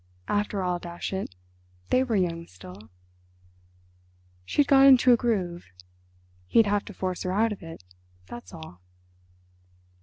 After all, dash it, they were young still. She'd got into a groove; he'd have to force her out of it, that's all.